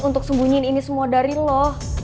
untuk sembunyiin ini semua dari loh